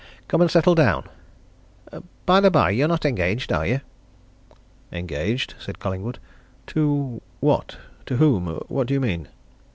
Come and settle down. Bye the bye, you're not engaged, are you?" "Engaged?" said Collingwood. "To what to whom what do you mean?"